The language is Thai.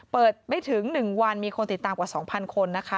ไม่ถึง๑วันมีคนติดตามกว่า๒๐๐คนนะคะ